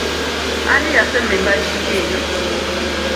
Ani yasoma embalirira eyo?